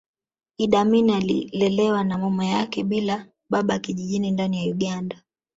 Iddi Amin alilelewa na mama yake bila baba kijijini ndani ya Uganda